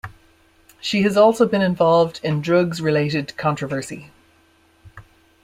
She has also been involved in drugs-related controversy.